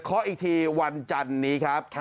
ขออีกทีวันจันนี้ครับ